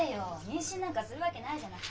妊娠なんかするわけないじゃない。